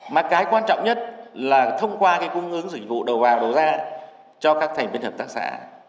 mà cái quan trọng nhất là thông qua cái cung ứng dịch vụ đầu vào đầu ra cho các thành viên hợp tác xã